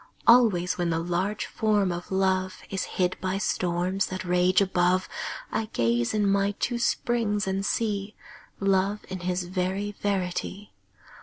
Always when the large Form of Love Is hid by storms that rage above, I gaze in my two springs and see Love in his very verity.